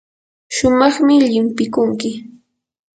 shumaqmi llimpikunki.